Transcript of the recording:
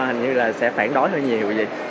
hình như là sẽ phản đối hơi nhiều